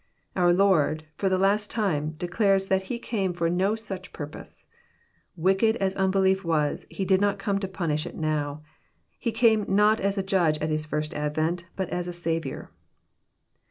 Our Lord, for the last time, declares that He came for no such purpose. Wicked as unbelief was, He did not come to punish It now. He came not as a Judge at His First Advent, but as a Saviour.